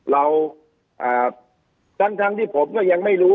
เราทั้งที่ผมก็ยังไม่รู้